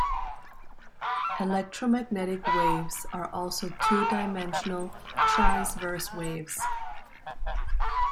Electromagnetic waves are also two-dimensional transverse waves.